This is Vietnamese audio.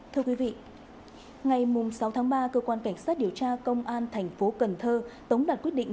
thưa quý vị ngày sáu tháng ba cơ quan cảnh sát điều tra công an tp cần thơ tống đặt quyết định